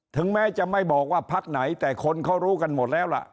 ถึงแม้จะไม่บอกว่าพักไหนแต่คนเขารู้กันหมดแล้วล่ะ